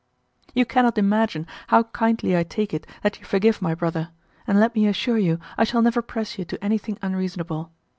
You cannot imagine how kindly I take it that you forgive my brother, and let me assure you I shall never press you to anything unreasonable.